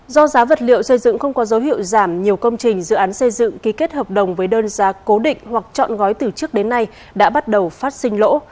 do giá vật liệu xây dựng không có dấu hiệu giảm nhiều công trình dự án xây dựng ký kết hợp đồng với đơn giá cố định hoặc chọn gói từ trước đến nay đã bắt đầu phát sinh lỗ